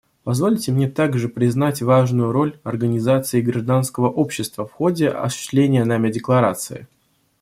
Позвольте мне также признать важную роль организаций гражданского общества в ходе осуществления нами Декларации.